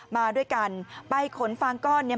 มาด้วยกันไปขนฟางก้อนเนี่ย